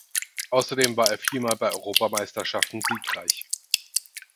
Außerdem war er viermal bei Europameisterschaften siegreich.